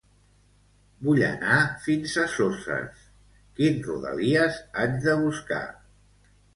Vull anar fins a Soses; quin Rodalies haig de buscar?